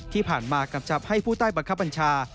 ที่ผ่านมากำชับให้ผู้ใต้บังคับบัญชา